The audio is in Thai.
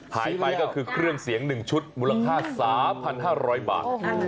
หายไปก็คือเครื่องเสียง๑ชุดมูลค่า๓๕๐๐บาท